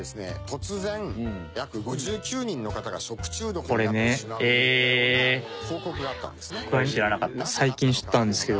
突然約５９人の方が食中毒になってしまうといったような報告があったんですね。